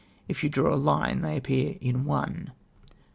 If you draw a line they appear in one."